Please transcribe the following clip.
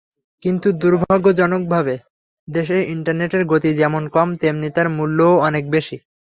কিন্তু দুর্ভাগ্যজনকভাবে দেশে ইন্টারনেটের গতি যেমন কম, তেমনি তার মূল্যও অনেক বেশি।